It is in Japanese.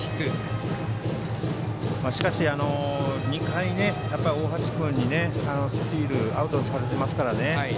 しかし２回、大橋君にスチールアウトにされていますからね。